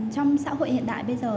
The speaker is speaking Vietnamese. trong xã hội hiện đại bây giờ